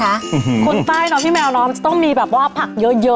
คนใต้เนาะพี่แมวเนาะมันจะต้องมีแบบว่าผักเยอะเยอะ